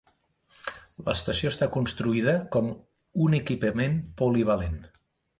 L'estació està construïda com un "equipament polivalent".